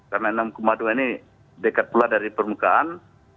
karena enam dua ini dekat pula dari permukaan